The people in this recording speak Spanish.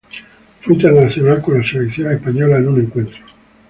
Fue internacional con la selección española en un encuentro.